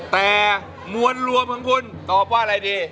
แต่มวลรวมของคุณตอบว่าอะไรดี